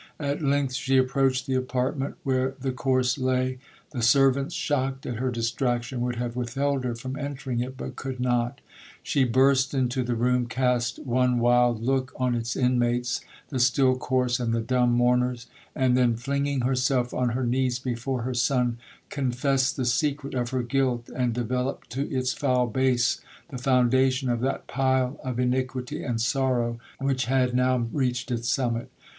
At length she approached the apartment where the corse lay. The servants, shocked at her distraction, would have withheld her from entering it, but could not. She burst into the room, cast one wild look on its inmates—the still corse and the dumb mourners—and then, flinging herself on her knees before her son, confessed the secret of her guilt, and developed to its foul base the foundation of that pile of iniquity and sorrow which had now reached its summit.